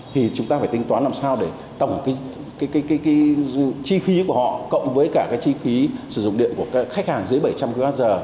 thì chúng ta phải tính toán làm sao để tổng chi phí của họ cộng với cả cái chi phí sử dụng điện của khách hàng dưới bảy trăm linh kwh